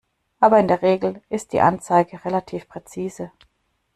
Aber in der Regel ist die Anzeige relativ präzise.